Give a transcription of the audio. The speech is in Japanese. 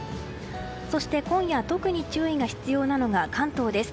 そして、今夜特に注意が必要なのが関東です。